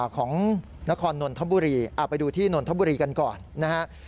ของนครนนทบุรีไปดูที่นนทบุรีกันก่อนนะฮะ